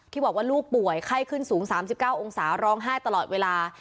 บอกว่าลูกป่วยไข้ขึ้นสูง๓๙องศาร้องไห้ตลอดเวลา